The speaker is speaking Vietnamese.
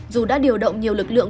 dù đã điều động nhiều lực lượng